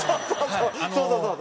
そうそうそう！